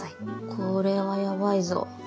これはやばいぞ。